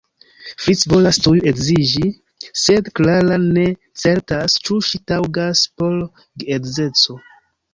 Fritz volas tuj edziĝi sed Clara ne certas, ĉu ŝi taŭgas por geedzeco.